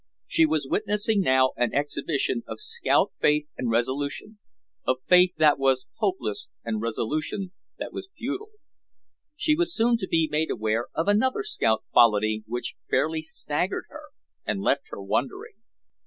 She was witnessing now an exhibition of scout faith and resolution, of faith that was hopeless and resolution that was futile. She was soon to be made aware of another scout quality which fairly staggered her and left her wondering.